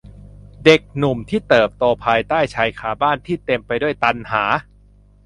เด็กหนุ่มที่เติบโตภายใต้ชายคาบ้านที่เต็มไปด้วยตัณหา